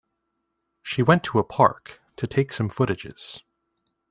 She went to a park to take some footages.